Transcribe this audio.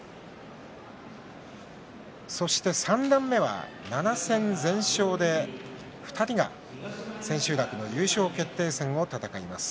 三段目は７戦全勝で２人が千秋楽の優勝決定戦を戦います。